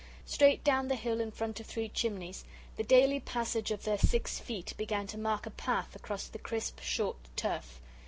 Straight down the hill in front of Three Chimneys the daily passage of their six feet began to mark a path across the crisp, short turf.